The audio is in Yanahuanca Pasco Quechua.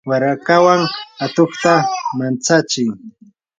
warakawan atuqta mantsachi.